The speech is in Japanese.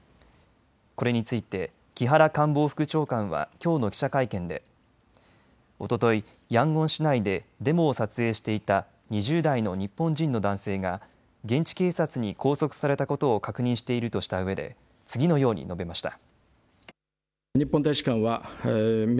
これについて木原官房副長官はきょうの記者会見でおとといヤンゴン市内でデモを撮影していた２０代の日本人の男性が現地警察に拘束されたことを確認しているとしたうえで次のように述べました。